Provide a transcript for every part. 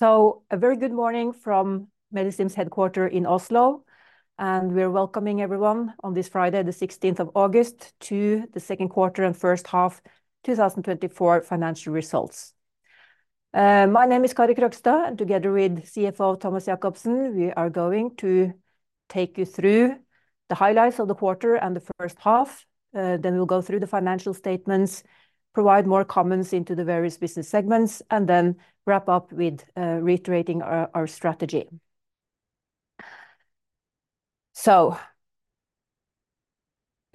A very good morning from Medistim's headquarters in Oslo. And we are welcoming everyone on this Friday, the 16th of August, to the second quarter and first half 2024 financial results. My name is Kari Krogstad, and together with CFO Thomas Jakobsen, we are going to take you through the highlights of the quarter and the first half. Then we'll go through the financial statements, provide more comments into the various business segments. And then wrap up with reiterating our strategy.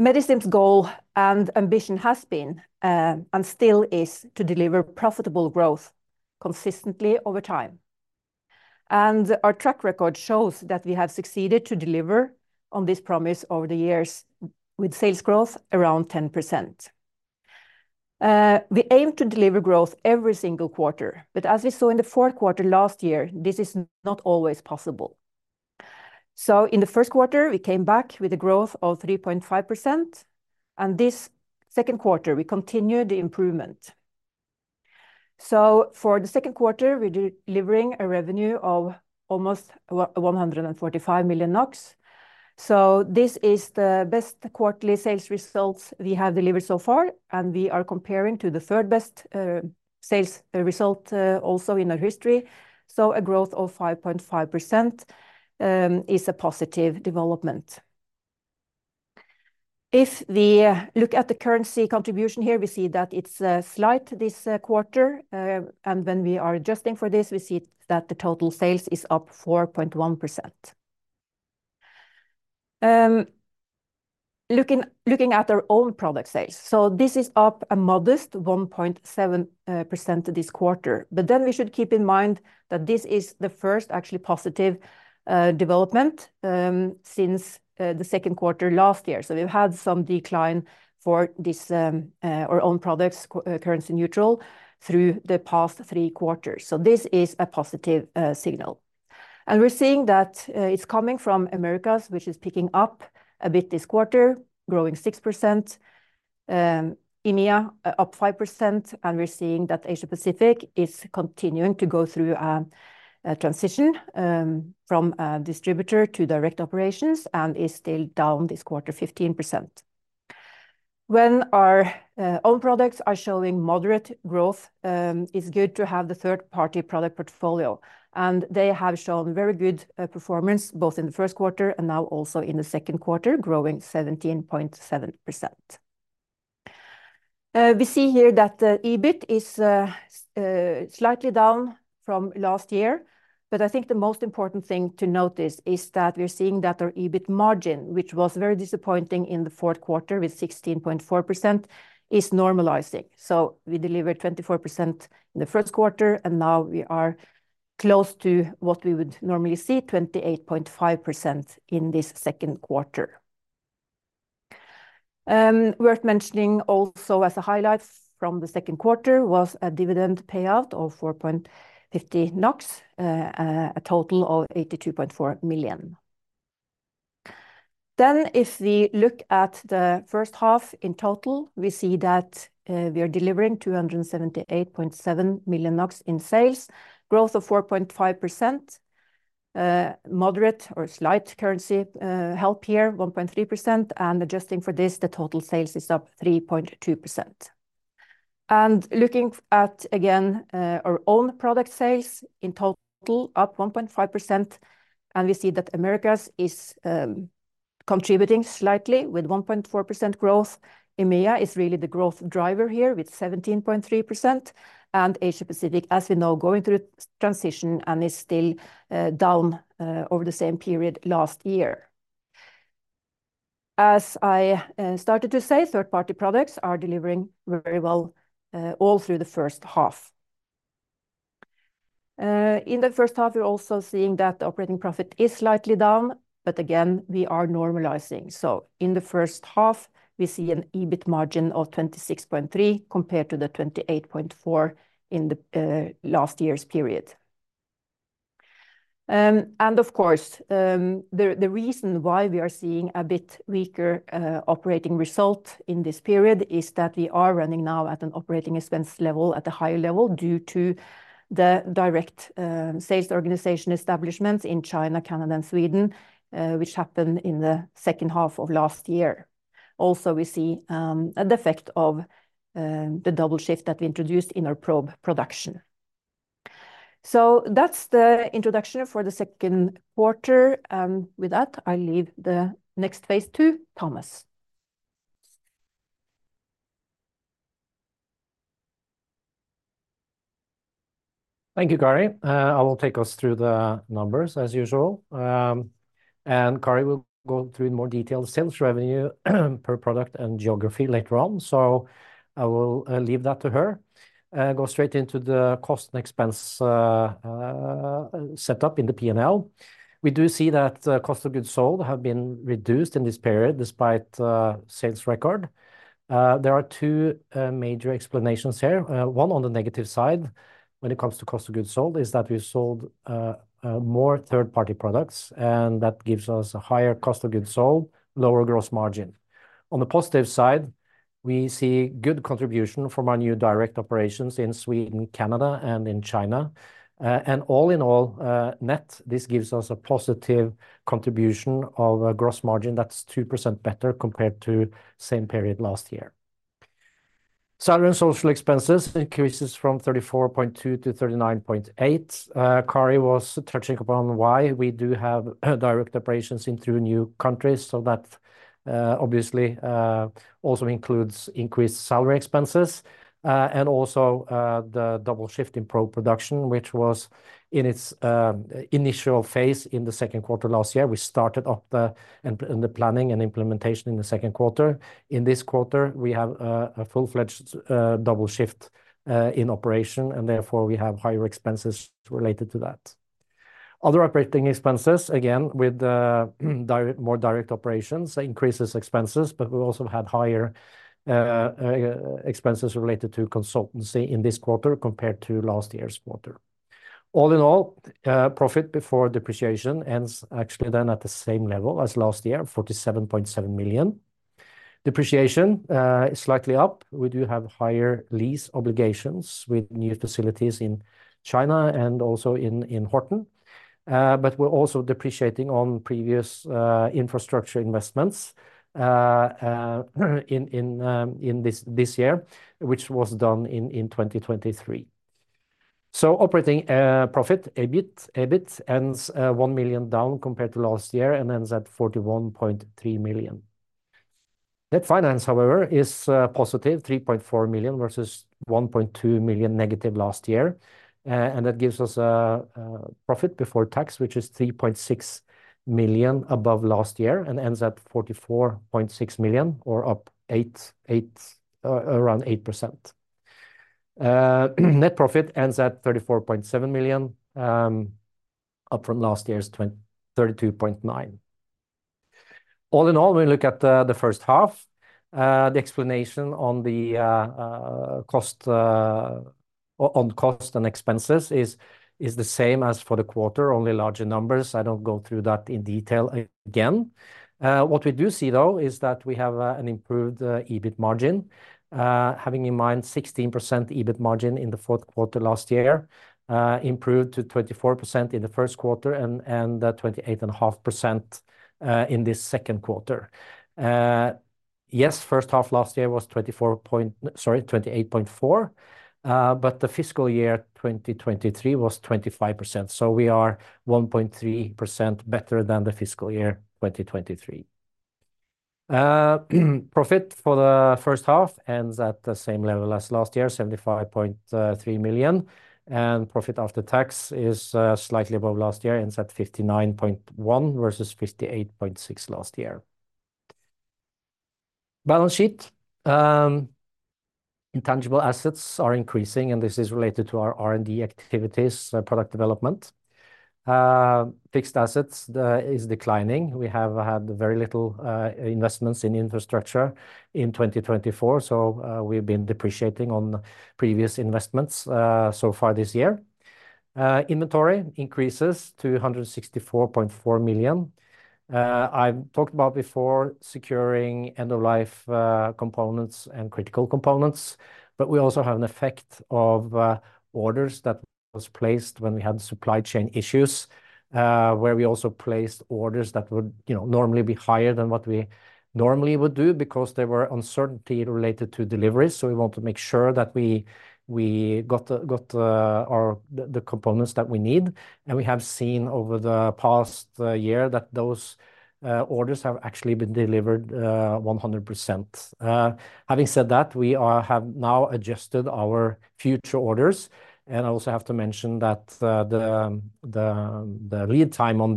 Medistim's goal and ambition has been, and still is to deliver profitable growth consistently over time, and our track record shows that we have succeeded to deliver on this promise over the years with sales growth around 10%. We aim to deliver growth every single quarter, but as we saw in the fourth quarter last year, this is not always possible. So in the first quarter, we came back with a growth of 3.5%, and this second quarter, we continued the improvement. So for the second quarter, we're delivering a revenue of almost 145 million NOK. So this is the best quarterly sales results we have delivered so far, and we are comparing to the third-best sales result also in our history. So a growth of 5.5% is a positive development. If we look at the currency contribution here, we see that it's slight this quarter. And when we are adjusting for this, we see that the total sales is up 4.1%. Looking at our own product sales. So this is up a modest 1.7% this quarter, but then we should keep in mind that this is the first actually positive development since the second quarter last year. So we've had some decline for this, our own products, constant currency neutral, through the past three quarters. So this is a positive signal. And we're seeing that it's coming from Americas, which is picking up a bit this quarter, growing 6%, EMEA up 5%, and we're seeing that Asia-Pacific is continuing to go through a transition from a distributor to direct operations and is still down this quarter 15%. When our own products are showing moderate growth, it's good to have the third-party product portfolio, and they have shown very good performance both in the first quarter and now also in the second quarter, growing 17.7%. We see here that the EBIT is slightly down from last year, but I think the most important thing to notice is that we're seeing that our EBIT margin, which was very disappointing in the fourth quarter, with 16.4%, is normalizing. So we delivered 24% in the first quarter, and now we are close to what we would normally see, 28.5% in this second quarter. Worth mentioning also as a highlight from the second quarter was a dividend payout of 4.50 NOK, a total of 82.4 million. Then, if we look at the first half in total, we see that, we are delivering 278.7 million NOK in sales, growth of 4.5%, moderate or slight currency help here, 1.3%, and adjusting for this, the total sales is up 3.2%. Looking at, again, our own product sales, in total, up 1.5%, and we see that Americas is contributing slightly with 1.4% growth. EMEA is really the growth driver here with 17.3%, and Asia-Pacific, as we know, going through transition and is still down over the same period last year. As I started to say, third-party products are delivering very well all through the first half. In the first half, we're also seeing that the operating profit is slightly down, but again, we are normalizing. So in the first half, we see an EBIT margin of 26.3% compared to the 28.4% in the last year's period. And of course, the reason why we are seeing a bit weaker operating result in this period is that we are running now at an operating expense level, at a high level, due to the direct sales organization establishments in China, Canada, and Sweden, which happened in the second half of last year. Also, we see an effect of the double shift that we introduced in our probe production. So that's the introduction for the second quarter, and with that, I leave the next phase to Thomas. Thank you, Kari. I will take us through the numbers as usual. Kari will go through in more detail the sales revenue, per product, and geography later on. I will leave that to her, go straight into the cost and expense set up in the P&L. We do see that cost of goods sold have been reduced in this period, despite sales record. There are two major explanations here. One, on the negative side, when it comes to cost of goods sold, is that we sold more third-party products, and that gives us a higher cost of goods sold, lower gross margin. On the positive side, we see good contribution from our new direct operations in Sweden, Canada, and in China. And all in all, net, this gives us a positive contribution of a gross margin that's 2% better compared to same period last year. Salary and social expenses increases from 34.2 to 39.8. Kari was touching upon why we do have direct operations in two new countries. So that obviously also includes increased salary expenses, and also the double shift in production, which was in its initial phase in the second quarter last year. We started up the and the planning and implementation in the second quarter. In this quarter, we have a full-fledged double shift in operation, and therefore, we have higher expenses related to that. Other operating expenses, again, with direct, more direct operations, increases expenses, but we also had higher expenses related to consultancy in this quarter compared to last year's quarter. All in all, profit before depreciation ends actually then at the same level as last year, 47.7 million. Depreciation is slightly up. We do have higher lease obligations with new facilities in China and also in Horten. But we're also depreciating on previous infrastructure investments in this year, which was done in 2023. So operating profit, EBIT, EBIT ends 1 million down compared to last year and ends at 41.3 million. Net finance, however, is positive, 3.4 million versus 1.2 million negative last year. That gives us profit before tax, which is 3.6 million above last year and ends at 44.6 million or up 8%, around 8%. Net profit ends at 34.7 million, up from last year's 32.9 million. All in all, we look at the first half. The explanation on the cost and expenses is the same as for the quarter, only larger numbers. I don't go through that in detail again. What we do see, though, is that we have an improved EBIT margin. Having in mind 16% EBIT margin in the fourth quarter last year, improved to 24% in the first quarter and 28.5% in this second quarter. Yes, first half last year was 24. Sorry, 28.4%. But the fiscal year, 2023, was 25%, so we are 1.3% better than the fiscal year 2023. Profit for the first half ends at the same level as last year, 75.3 million, and profit after tax is, slightly above last year, ends at 59.1 million versus 58.6 million last year. Balance sheet. Intangible assets are increasing, and this is related to our R&D activities, product development. Fixed assets is declining. We have had very little investments in infrastructure in 2024, so, we've been depreciating on previous investments, so far this year. Inventory increases to 164.4 million. I've talked about before securing end-of-life components and critical components, but we also have an effect of orders that was placed when we had supply chain issues, where we also placed orders that would, you know, normally be higher than what we normally would do because there were uncertainty related to deliveries. So we want to make sure that we got the components that we need. And we have seen over the past year that those orders have actually been delivered 100%. Having said that, we have now adjusted our future orders, and I also have to mention that the lead time on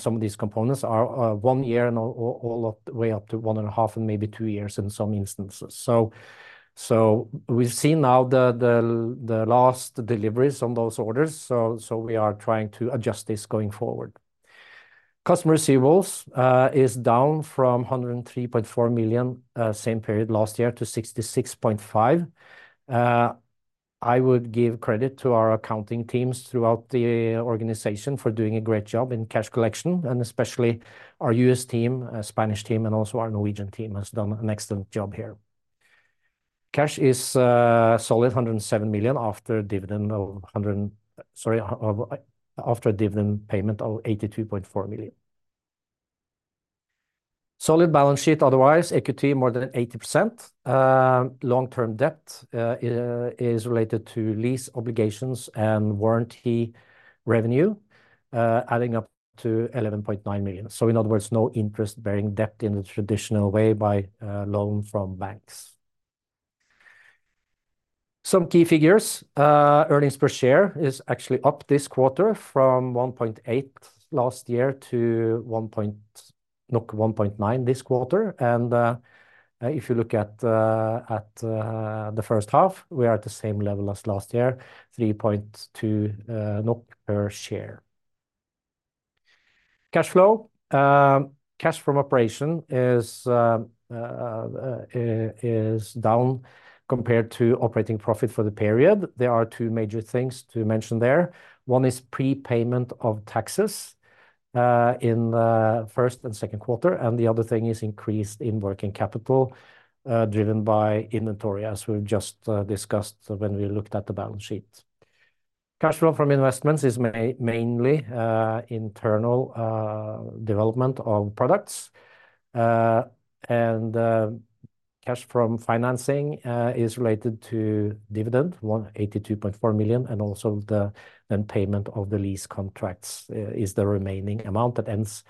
some of these components are one year and all the way up to one and a half and maybe two years in some instances. So we've seen now the last deliveries on those orders. So we are trying to adjust this going forward. Customer receivables is down from 103.4 million same period last year, to 66.5 million. I would give credit to our accounting teams throughout the organization for doing a great job in cash collection, and especially our U.S. team, Spanish team, and also our Norwegian team has done an excellent job here. Cash is solid, 107 million after a dividend payment of 82.4 million. Solid balance sheet, otherwise, equity more than 80%. Long-term debt is related to lease obligations and warranty revenue, adding up to 11.9 million. So in other words, no interest-bearing debt in the traditional way by loan from banks. Some key figures. Earnings per share is actually up this quarter from 1.8 last year to 1.9 this quarter. If you look at the first half, we are at the same level as last year, 3.2 NOK per share. Cash flow. Cash from operation is down compared to operating profit for the period. There are two major things to mention there. One is prepayment of taxes in the first and second quarter, and the other thing is increase in working capital driven by inventory, as we've just discussed when we looked at the balance sheet. Cash flow from investments is mainly internal development of products. Cash from financing is related to dividend, 182.4 million, and also the payment of the lease contracts is the remaining amount that ends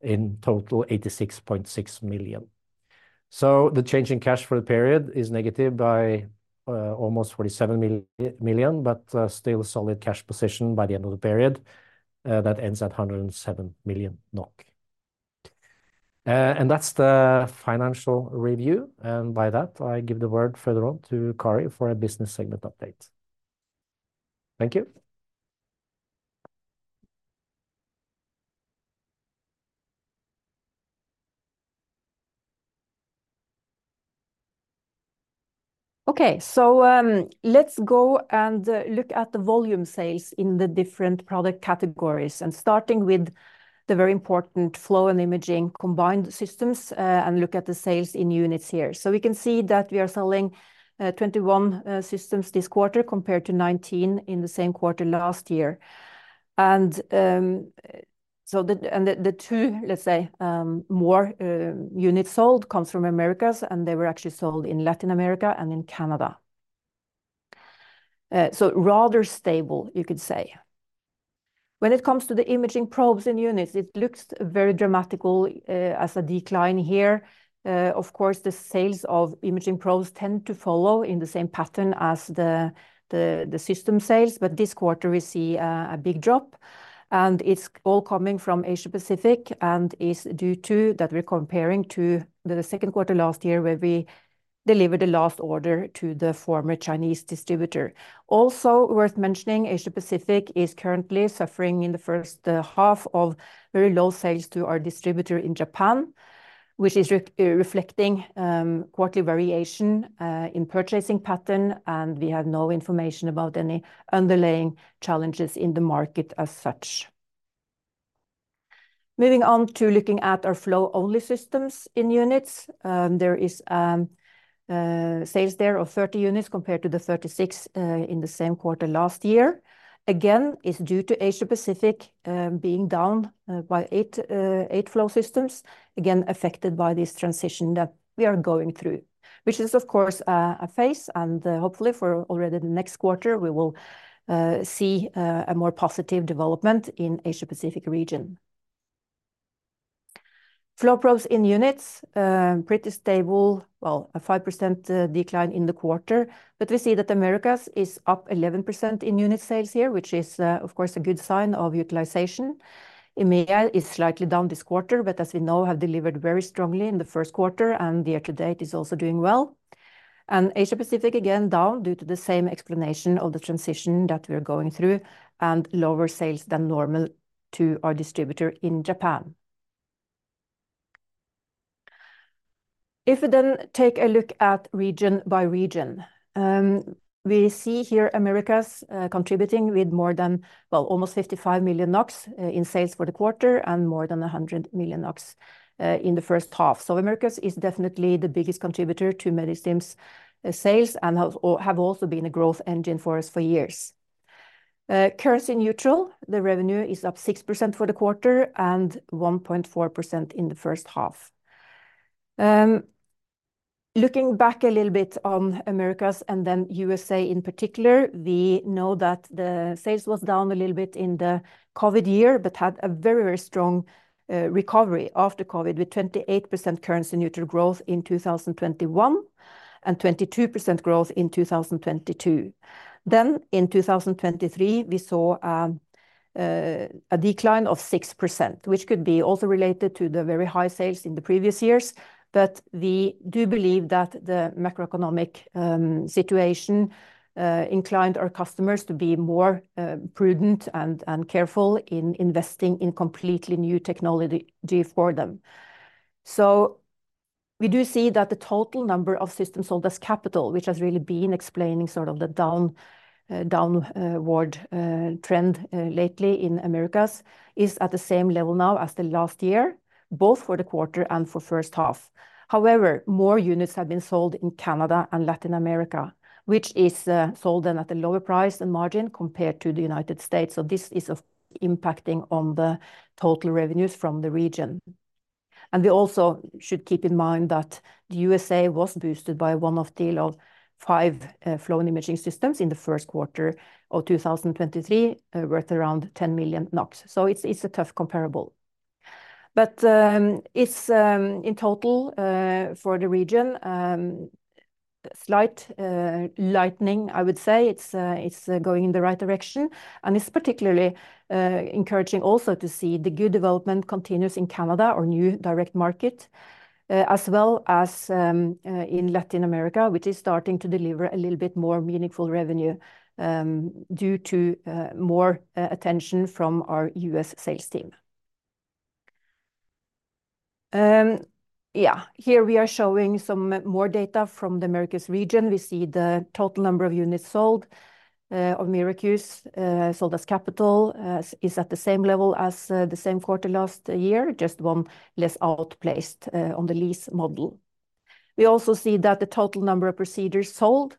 in total 86.6 million. So the change in cash for the period is negative by almost 47 million, but still a solid cash position by the end of the period that ends at 107 million NOK. And that's the financial review, and by that, I give the word further on to Kari for a business segment update. Thank you. Okay, so, let's go and look at the volume sales in the different product categories, and starting with the very important flow and imaging combined systems, and look at the sales in units here. So we can see that we are selling 21 systems this quarter, compared to 19 systems in the same quarter last year. And, so the two, let's say, more units sold comes from Americas, and they were actually sold in Latin America and in Canada. So rather stable, you could say. When it comes to the imaging probes and units, it looks very dramatic as a decline here. Of course, the sales of imaging probes tend to follow in the same pattern as the system sales, but this quarter we see a big drop, and it's all coming from Asia-Pacific and is due to that we're comparing to the second quarter last year, where we delivered the last order to the former Chinese distributor. Also worth mentioning, Asia-Pacific is currently suffering in the first half of very low sales to our distributor in Japan, which is reflecting quarterly variation in purchasing pattern, and we have no information about any underlying challenges in the market as such. Moving on to looking at our flow-only systems in units, there is sales there of 30 units, compared to the 36 units in the same quarter last year. Again, it's due to Asia-Pacific being down by eight flow systems, again, affected by this transition that we are going through, which is, of course, a phase, and, hopefully for already the next quarter, we will see a more positive development in Asia-Pacific region. Flow probes in units pretty stable. Well, a 5% decline in the quarter, but we see that Americas is up 11% in unit sales here, which is, of course, a good sign of utilization. EMEA is slightly down this quarter, but as we know, have delivered very strongly in the first quarter, and the year to date is also doing well. Asia-Pacific, again, down due to the same explanation of the transition that we're going through, and lower sales than normal to our distributor in Japan. If we then take a look at region by region, we see here Americas contributing with more than almost 55 million NOK in sales for the quarter and more than 100 million NOK in the first half. So Americas is definitely the biggest contributor to Medistim's sales and have also been a growth engine for us for years. Currency neutral, the revenue is up 6% for the quarter and 1.4% in the first half. Looking back a little bit on Americas and then U.S.A. in particular, we know that the sales was down a little bit in the COVID year, but had a very, very strong recovery after COVID, with 28% currency neutral growth in 2021, and 22% growth in 2022. Then in 2023, we saw a decline of 6%, which could be also related to the very high sales in the previous years. But we do believe that the macroeconomic situation inclined our customers to be more prudent and careful in investing in completely new technology for them. So we do see that the total number of systems sold as capital, which has really been explaining sort of the downward trend lately in Americas, is at the same level now as the last year, both for the quarter and for first half. However, more units have been sold in Canada and Latin America, which is sold then at a lower price and margin compared to the United States. So this is impacting on the total revenues from the region. And we also should keep in mind that the U.S.A. was boosted by a one-off deal of five flow and imaging systems in the first quarter of 2023 worth around 10 million NOK. So it's a tough comparable. But it's, in total, for the region, a slight lightening, I would say. It's going in the right direction, and it's particularly encouraging also to see the good development continues in Canada, our new direct market. As well as in Latin America, which is starting to deliver a little bit more meaningful revenue due to more attention from our U.S. sales team. Yeah, here we are showing some more data from the Americas region. We see the total number of units sold of Americas sold as capital is at the same level as the same quarter last year, just one less outplaced on the lease model. We also see that the total number of procedures sold;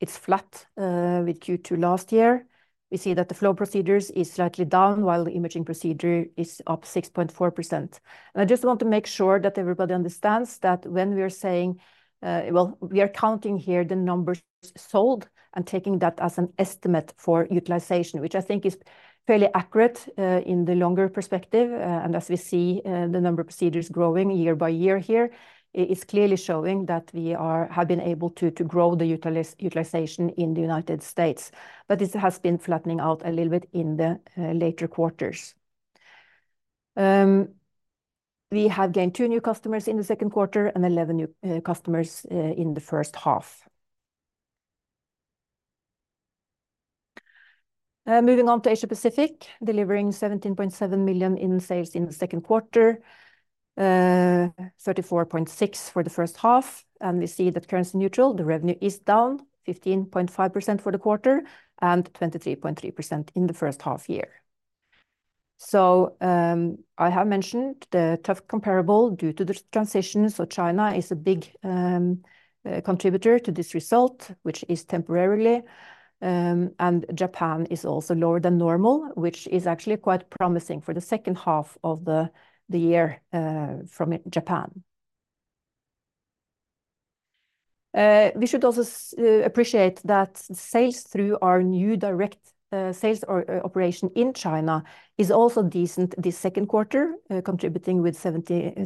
it's flat with Q2 last year. We see that the flow procedures is slightly down, while the imaging procedure is up 6.4%. And I just want to make sure that everybody understands that when we are saying, well, we are counting here the numbers sold and taking that as an estimate for utilization, which I think is fairly accurate in the longer perspective. And as we see, the number of procedures growing year by year here, it is clearly showing that we have been able to grow the utilization in the United States. But this has been flattening out a little bit in the later quarters. We have gained two new customers in the second quarter and 11 new customers in the first half. Moving on to Asia-Pacific, delivering 17.7 million in sales in the second quarter, 34.6 million for the first half, and we see that currency neutral, the revenue is down 15.5% for the quarter and 23.3% in the first half year. So, I have mentioned the tough comparable due to the transition. So China is a big contributor to this result, which is temporarily, and Japan is also lower than normal, which is actually quite promising for the second half of the year from Japan. We should also appreciate that sales through our new direct sales or operation in China is also decent this second quarter, contributing with 77.3%,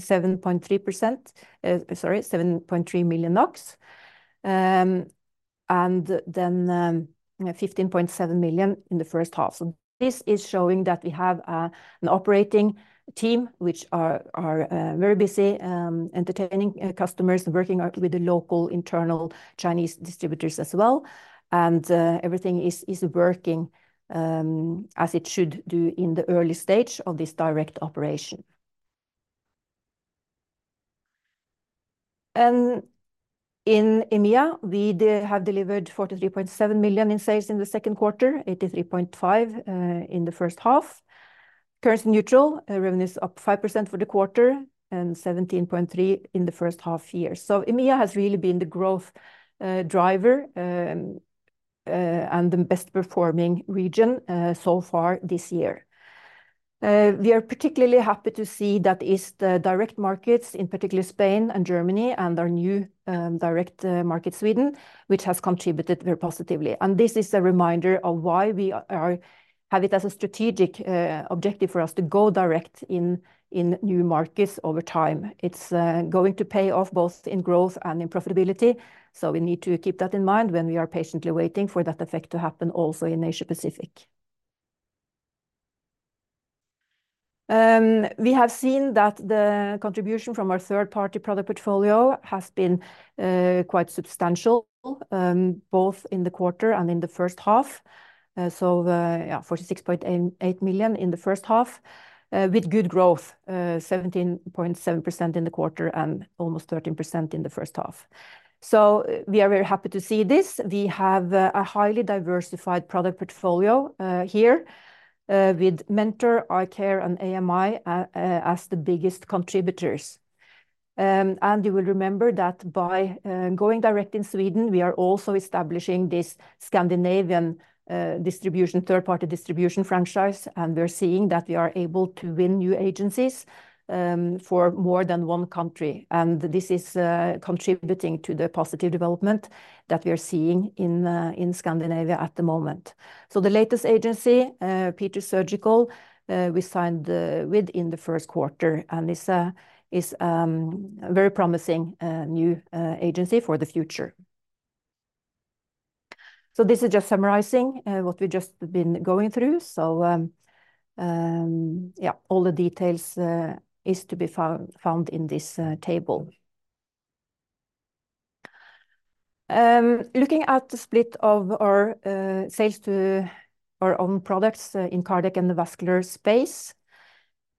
sorry, 7.3 million NOK, and then 15.7 million in the first half. So this is showing that we have an operating team which are very busy entertaining customers and working out with the local internal Chinese distributors as well. And everything is working as it should do in the early stage of this direct operation. In EMEA, we have delivered 43.7 million in sales in the second quarter, 83.5 million in the first half. Currency neutral, revenue is up 5% for the quarter and 17.3% in the first half year. EMEA has really been the growth driver and the best performing region so far this year. We are particularly happy to see that it's the direct markets, in particular Spain and Germany, and our new direct market, Sweden, which has contributed very positively. This is a reminder of why we have it as a strategic objective for us to go direct in new markets over time. It's going to pay off both in growth and in profitability. So we need to keep that in mind when we are patiently waiting for that effect to happen also in Asia-Pacific. We have seen that the contribution from our third-party product portfolio has been quite substantial, both in the quarter and in the first half. So, yeah, 46.8 million in the first half, with good growth, 17.7% in the quarter and almost 13% in the first half. We are very happy to see this. We have a highly diversified product portfolio here, with Mentor, Icare and A.M.I., as the biggest contributors. And you will remember that by going direct in Sweden, we are also establishing this Scandinavian, third-party distribution franchise, and we're seeing that we are able to win new agencies for more than one country. This is contributing to the positive development that we are seeing in Scandinavia at the moment. The latest agency, Peters Surgical, we signed with in the first quarter, and this is a very promising new agency for the future. This is just summarizing what we've just been going through. All the details is to be found in this table. Looking at the split of our sales to our own products in cardiac and the vascular space.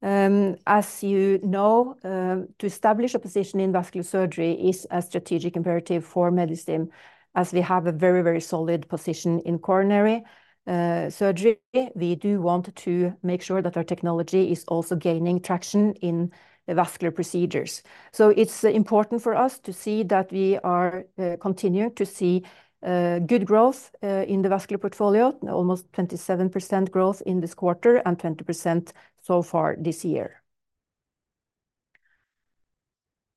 As you know, to establish a position in vascular surgery is a strategic imperative for Medistim, as we have a very, very solid position in coronary surgery. We do want to make sure that our technology is also gaining traction in the vascular procedures. So it's important for us to see that we are continuing to see good growth in the vascular portfolio. Almost 27% growth in this quarter and 20% so far this year.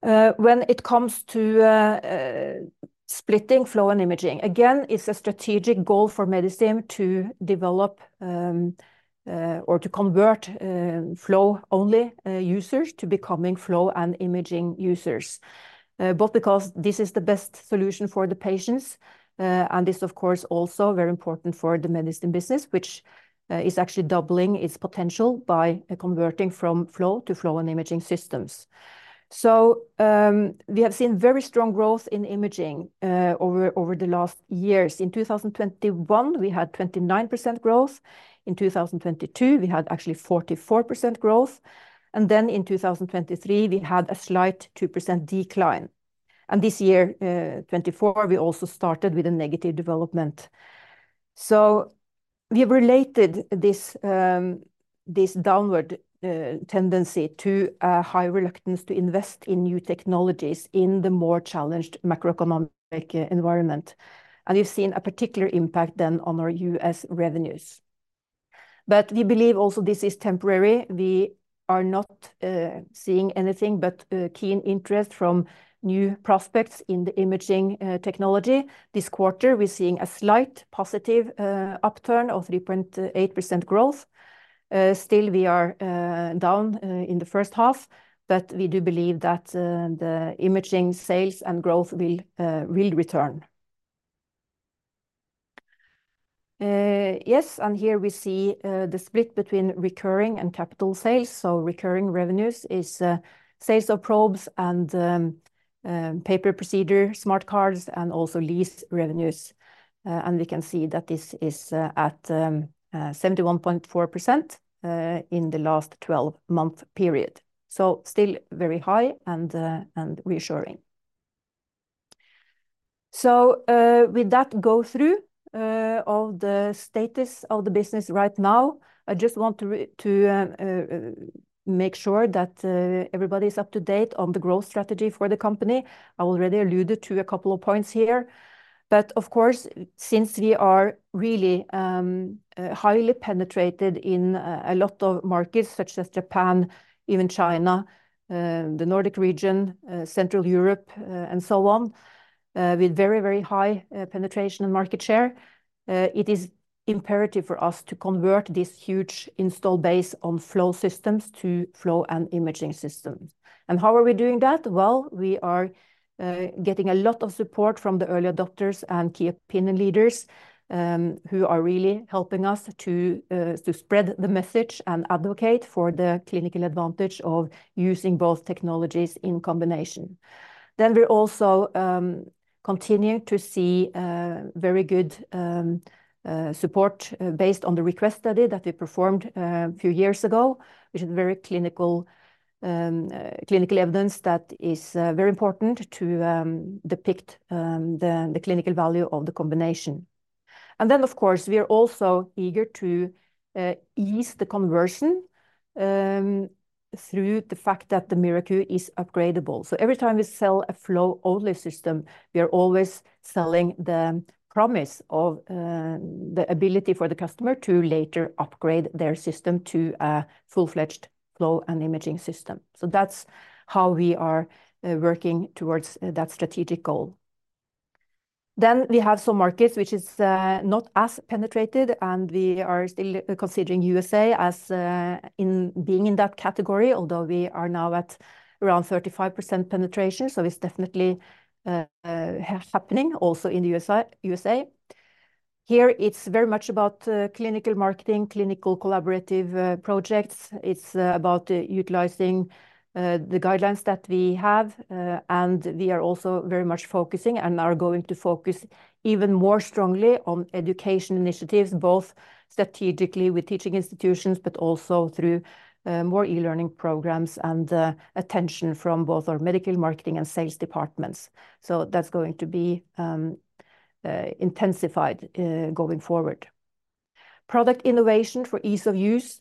When it comes to splitting flow and imaging, again, it's a strategic goal for Medistim to develop or to convert flow-only users to becoming flow and imaging users. Both because this is the best solution for the patients and this, of course, also very important for the Medistim business, which is actually doubling its potential by converting from flow to flow and imaging systems. So we have seen very strong growth in imaging over the last years. In 2021, we had 29% growth. In 2022, we had actually 44% growth, and then in 2023, we had a slight 2% decline. This year, 2024, we also started with a negative development. We related this downward tendency to a high reluctance to invest in new technologies in the more challenged macroeconomic environment, and we've seen a particular impact then on our U.S. revenues. But we believe also this is temporary. We are not seeing anything but keen interest from new prospects in the imaging technology. This quarter, we're seeing a slight positive upturn of 3.8% growth. Still we are down in the first half, but we do believe that the imaging sales and growth will return. Yes, and here we see the split between recurring and capital sales. So recurring revenues is sales of probes and pay-per-procedure smart cards, and also lease revenues. And we can see that this is at 71.4% in the last 12-month period, so still very high and reassuring. So, with that go through of the status of the business right now, I just want to make sure that everybody is up to date on the growth strategy for the company. I already alluded to a couple of points here. But of course, since we are really highly penetrated in a lot of markets, such as Japan, even China, the Nordic region, Central Europe, and so on, with very, very high penetration and market share, it is imperative for us to convert this huge install base on flow systems to flow and imaging systems. And how are we doing that? Well, we are getting a lot of support from the early adopters and key opinion leaders, who are really helping us to spread the message and advocate for the clinical advantage of using both technologies in combination. Then we also continue to see very good support based on the REQUEST study that we performed a few years ago, which is very clinical clinical evidence that is very important to depict the clinical value of the combination. And then, of course, we are also eager to ease the conversion through the fact that the MiraQ is upgradable. So every time we sell a flow-only system, we are always selling the promise of the ability for the customer to later upgrade their system to a full-fledged flow and imaging system. So that's how we are working towards that strategic goal. Then we have some markets, which is not as penetrated, and we are still considering U.S.A. as in being in that category, although we are now at around 35% penetration, so it's definitely happening also in the U.S.A., U.S.A.. Here, it's very much about clinical marketing, clinical collaborative projects. It's about utilizing the guidelines that we have, and we are also very much focusing and are going to focus even more strongly on education initiatives, both strategically with teaching institutions, but also through more e-learning programs and attention from both our medical marketing and sales departments. So that's going to be intensified going forward. Product innovation for ease of use.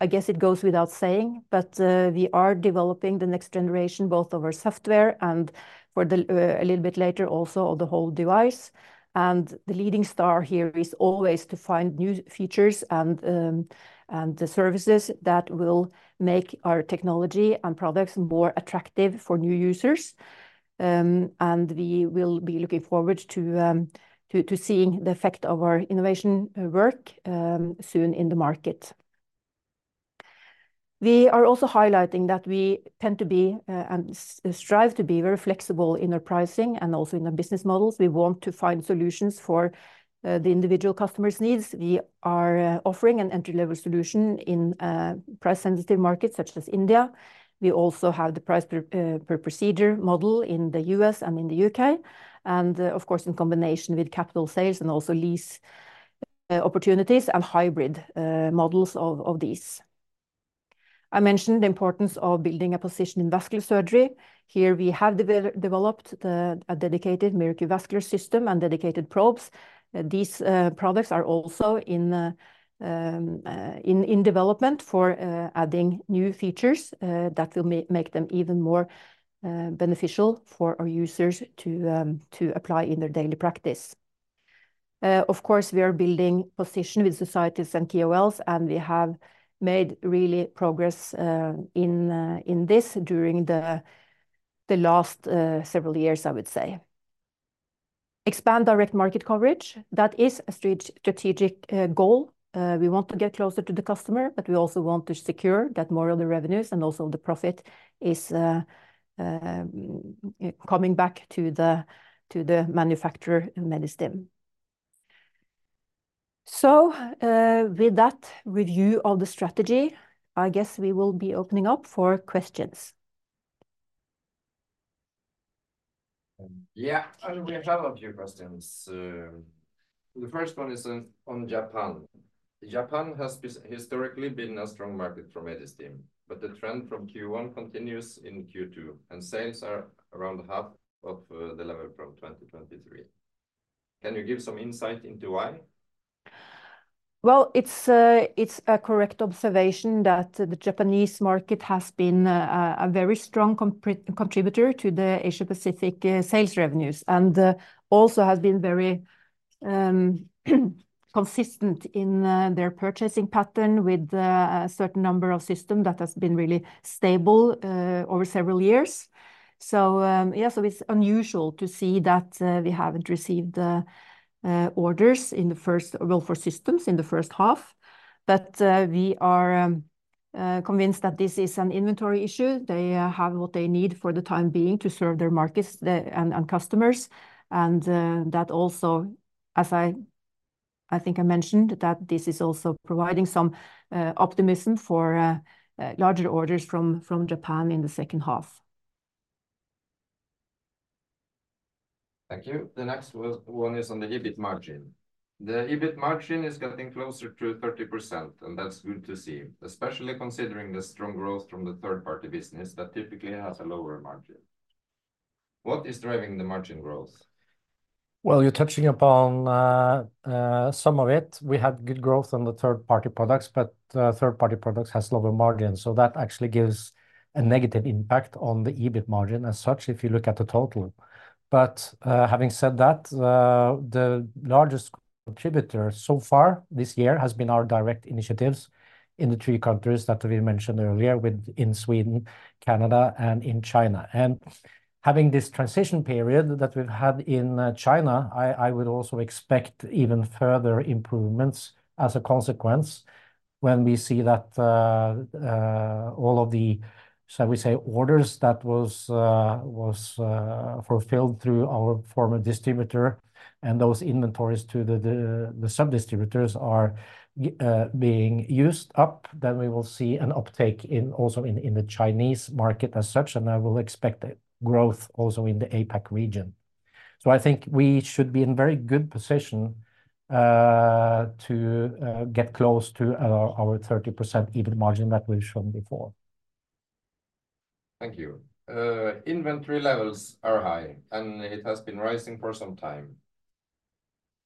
I guess it goes without saying, but we are developing the next generation, both of our software and for the, a little bit later, also of the whole device. The leading star here is always to find new features and, and the services that will make our technology and products more attractive for new users. We will be looking forward to seeing the effect of our innovation work soon in the market. We are also highlighting that we tend to be and strive to be very flexible in our pricing and also in our business models. We want to find solutions for the individual customer's needs. We are offering an entry-level solution in price-sensitive markets such as India. We also have the price per procedure model in the U.S. and in the U.K., and of course, in combination with capital sales and also lease opportunities and hybrid models of these. I mentioned the importance of building a position in vascular surgery. Here we have developed a dedicated MiraQ Vascular system and dedicated probes. These products are also in development for adding new features that will make them even more beneficial for our users to apply in their daily practice. Of course, we are building position with societies and KOLs, and we have made really progress in this during the last several years, I would say. Expand direct market coverage, that is a strategic goal. We want to get closer to the customer, but we also want to secure that more of the revenues and also the profit is coming back to the manufacturer, Medistim. So, with that review of the strategy, I guess we will be opening up for questions. Yeah, and we have a few questions. The first one is on Japan. Japan has historically been a strong market for Medistim, but the trend from Q1 continues in Q2, and sales are around half of the level from 2023. Can you give some insight into why? Well, it's a correct observation that the Japanese market has been a very strong contributor to the Asia-Pacific sales revenues, and also has been very consistent in their purchasing pattern with a certain number of system that has been really stable over several years. So, yeah, so it's unusual to see that we haven't received the orders in the first—well, for systems in the first half. But we are convinced that this is an inventory issue. They have what they need for the time being to serve their markets, and customers, and that also, as I think I mentioned, that this is also providing some optimism for larger orders from Japan in the second half. Thank you. The next one is on the EBIT margin. The EBIT margin is getting closer to 30%, and that's good to see, especially considering the strong growth from the third-party business that typically has a lower margin. What is driving the margin growth? Well, you're touching upon some of it. We had good growth on the third-party products, but third-party products has lower margins, so that actually gives a negative impact on the EBIT margin as such, if you look at the total. But having said that, the largest contributor so far this year has been our direct initiatives in the three countries that we mentioned earlier with... in Sweden, Canada, and in China. Having this transition period that we've had in China, I would also expect even further improvements as a consequence when we see that all of the, shall we say, orders that was fulfilled through our former distributor and those inventories to the sub-distributors are being used up, then we will see an uptake in the Chinese market as such, and I will expect a growth also in the APAC region. So I think we should be in very good position to get close to our 30% EBIT margin that we've shown before. Thank you. Inventory levels are high, and it has been rising for some time.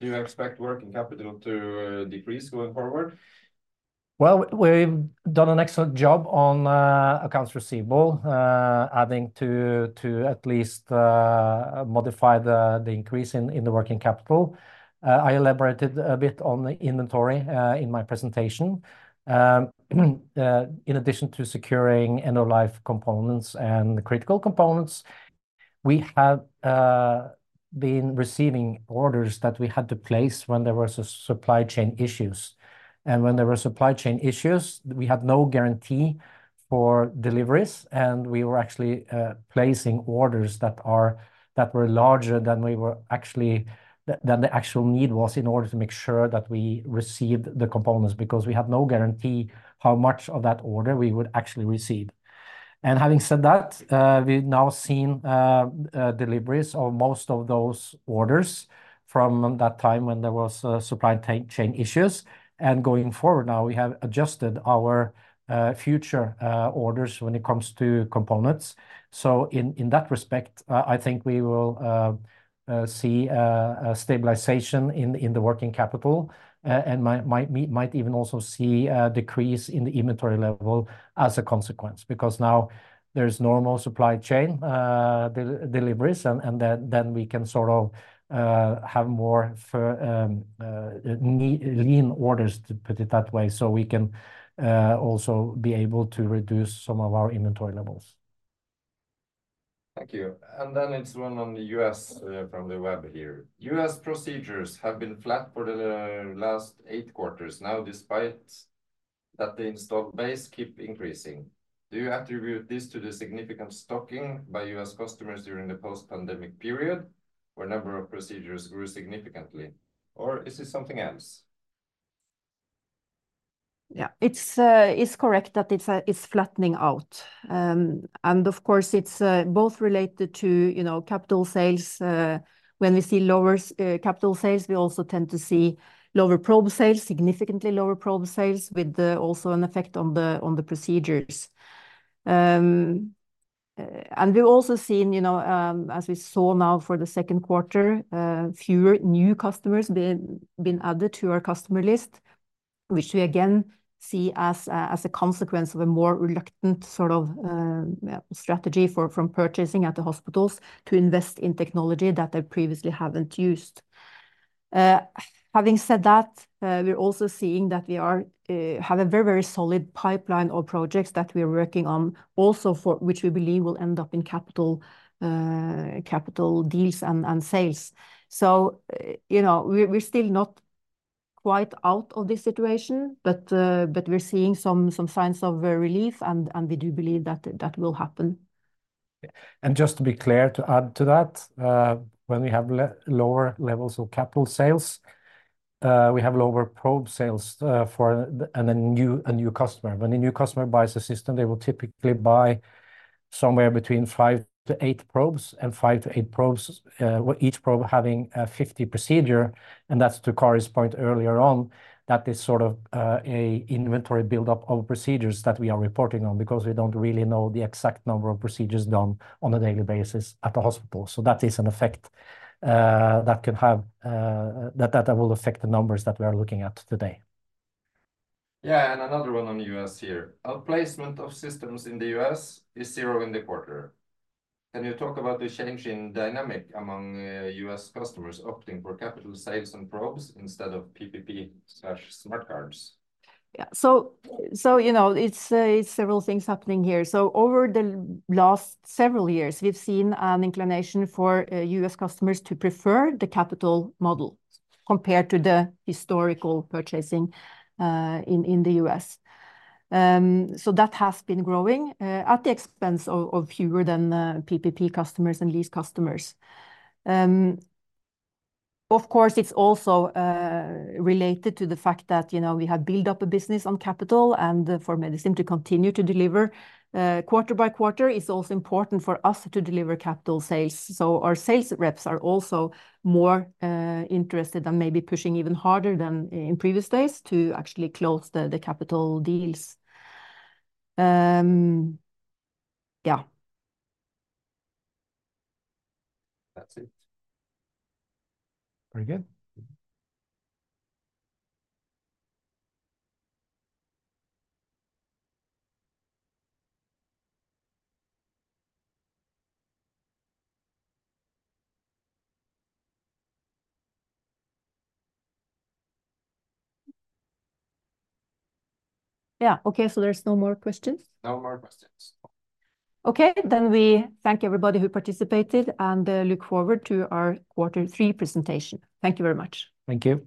Do you expect working capital to decrease going forward? Well, we've done an excellent job on accounts receivable, adding to at least modify the increase in the working capital. I elaborated a bit on the inventory in my presentation. In addition to securing end-of-life components and the critical components, we have been receiving orders that we had to place when there were supply chain issues. When there were supply chain issues, we had no guarantee for deliveries, and we were actually placing orders that were larger than the actual need was, in order to make sure that we received the components, because we had no guarantee how much of that order we would actually receive. Having said that, we've now seen deliveries of most of those orders from that time when there was supply chain issues. Going forward now, we have adjusted our future orders when it coming to components. So in that respect, I think we will see a stabilization in the working capital, and might even also see a decrease in the inventory level as a consequence, because now there's normal supply chain deliveries, and then we can sort of have more for lean orders, to put it that way. So we can also be able to reduce some of our inventory levels. Thank you. And then it's one on the U.S., from the web here. "U.S. procedures have been flat for the last eight quarters now, despite that the installed base keep increasing. Do you attribute this to the significant stocking by U.S. customers during the post-pandemic period, where number of procedures grew significantly, or is it something else? Yeah. It's correct that it's flattening out. And of course, it's both related to, you know, capital sales. When we see lower capital sales, we also tend to see lower probe sales, significantly lower probe sales, with also an effect on the procedures. And we've also seen, you know, as we saw now for the second quarter, fewer new customers been added to our customer list, which we again see as a consequence of a more reluctant sort of strategy from purchasing at the hospitals to invest in technology that they previously haven't used. Having said that, we're also seeing that we have a very, very solid pipeline of projects that we are working on also for, which we believe will end up in capital capital deals and, and sales. So, you know, we're, we're still not quite out of this situation, but, but we're seeing some, some signs of relief, and, and we do believe that that will happen. And just to be clear, to add to that, when we have lower levels of capital sales, we have lower probe sales for a new customer. When a new customer buys a system, they will typically buy somewhere between 5 probes-8 probes, and 5 probes-8 probes with each probe having 50 procedures. And that's to Kari's point earlier on, that is sort of an inventory buildup of procedures that we are reporting on, because we don't really know the exact number of procedures done on a daily basis at the hospital. So that is an effect that will affect the numbers that we are looking at today. Yeah, and another one on the U.S. here. Our placement of systems in the U.S. is zero in the quarter. Can you talk about the change in dynamic among U.S. customers opting for capital sales and probes instead of PPP/smart cards? Yeah. You know, it's several things happening here. So over the last several years, we've seen an inclination for U.S. customers to prefer the capital model compared to the historical purchasing in the U.S. So that has been growing at the expense of fewer than the PPP customers and lease customers. Of course, it's also related to the fact that, you know, we have built up a business on capital, and for Medistim to continue to deliver quarter by quarter, it's also important for us to deliver capital sales. So our sales reps are also more interested and maybe pushing even harder than in previous days to actually close the capital deals. Yeah. That's it. Very good. Yeah. Okay, so there's no more questions? No more questions. Okay. Then we thank everybody who participated, and look forward to our quarter three presentation. Thank you very much. Thank you.